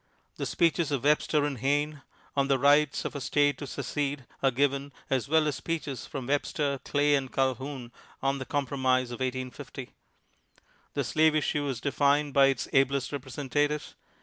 The speeches of Webster and Hayne, on the right of a state to secede, are given, as well as speeches from Webster, Clay and Calhoun on the Com promise of 1850. The slave issue is defined by its ablest representatives.